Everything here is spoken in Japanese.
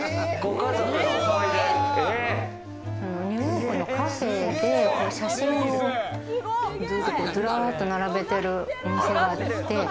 ニューヨークのカフェで写真をずらっと並べてるお店があって。